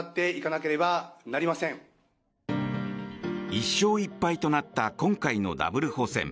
１勝１敗となった今回のダブル補選。